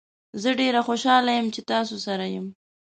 زه ډیر خوشحاله یم چې تاسو سره یم.